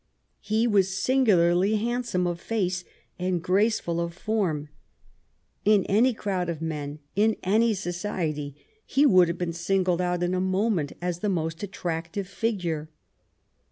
He was singularly hand some of face and graceful of form — in any crowd of 50 THOSE AROUND QUEEN ANNE men, in any society, he would have been singled out in a moment as the most attractive figure.